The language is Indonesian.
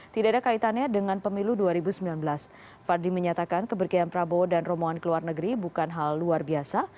tidak ada kaitannya dengan pemilu dua ribu sembilan belas fadli menyatakan kebergian prabowo dan rombongan ke luar negeri bukan hal luar biasa